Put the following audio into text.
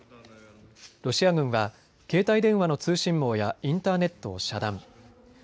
ロシア軍は携帯電話の通信網やインターネットを遮断。